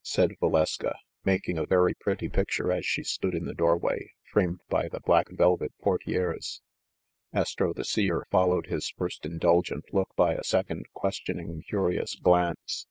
said Valeska, making a very pretty picture as she stood in the doorway, framed by the black velvet por tieres. Astro the Seer followed his first indulgent look by a second questioning, curious glance.